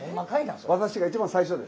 私が一番最初です。